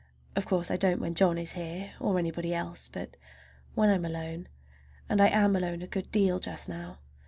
Of course I don't when John is here, or anybody else, but when I am alone. And I am alone a good deal just now.